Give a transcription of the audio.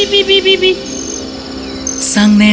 sang nenek kemudian mengubah langkah